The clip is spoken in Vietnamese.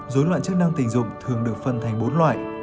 dối loạn chức năng tình dục thường được phân thành bốn loại